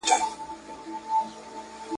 او له سترګو یې د اوښکو رود وو تاللی `